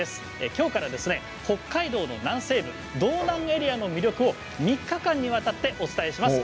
今日から北海道の南西部道南エリアの魅力を３日間にわたってお伝えします。